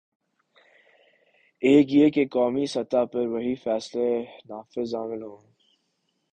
ایک یہ کہ قومی سطح میں وہی فیصلے نافذالعمل ہوں۔